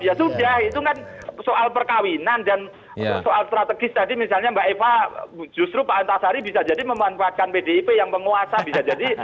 ya sudah itu kan soal perkawinan dan soal strategis tadi misalnya mbak eva justru pak antasari bisa jadi memanfaatkan pdip yang penguasa bisa jadi